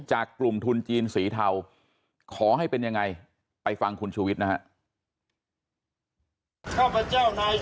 จากกลุ่มทุนจีนสีเทาขอให้เป็นยังไงไปฟังคุณชูวิทย์นะฮะ